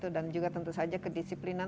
dan juga tentu saja kedisiplinan